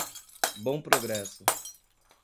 Bom Progresso